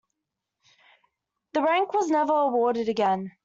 The rank was never awarded again.